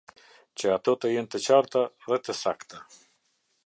Që ato të jenë të qarta dhe te sakta.